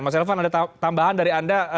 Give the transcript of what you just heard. mas elvan ada tambahan dari anda